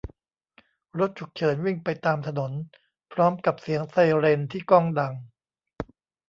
รถฉุกเฉินวิ่งไปตามถนนพร้อมกับเสียงไซเรนที่ก้องดัง